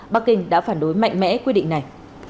bắc kinh đã phản đối mạnh mẽ quyết định này